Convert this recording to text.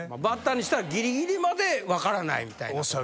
バッターにしたらギリギリまで分からないみたいな。